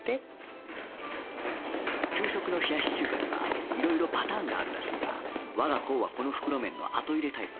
給食の冷やし中華にはいろいろパターンがあるらしいが我が校はこの袋麺の後入れタイプ